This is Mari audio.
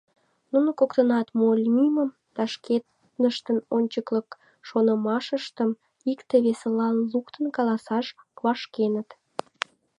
Нуно коктынат мо лиймым да шкеныштын ончыкылык шонымашыштым икте весылан луктын каласаш вашкеныт.